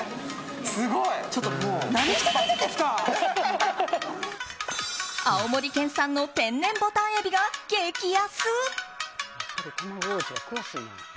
すごい！青森県産の天然ボタンエビが激安！